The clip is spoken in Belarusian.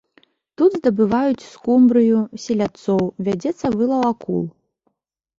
Тут здабываюць скумбрыю, селядцоў, вядзецца вылаў акул.